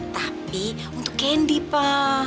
tapi untuk candy pa